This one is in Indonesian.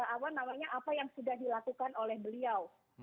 apa namanya apa yang sudah dilakukan oleh beliau